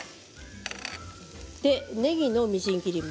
ねぎのみじん切りも。